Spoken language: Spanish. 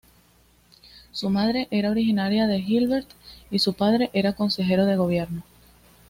Su madre era originaria de Hilbert y su padre era consejero de gobierno.